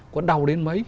có đau đến mấy